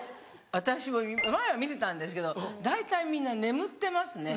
私も前は見てたんですけど大体みんな眠ってますね。